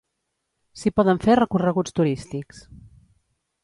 S'hi poden fer recorreguts turístics.